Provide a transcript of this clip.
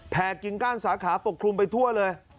กินก้านสาขาปกคลุมไปทั่วเลย